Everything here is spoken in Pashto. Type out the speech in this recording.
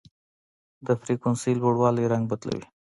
د فریکونسۍ لوړوالی رنګ بدلوي.